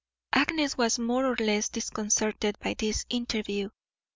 Agnes was more or less disconcerted by this interview.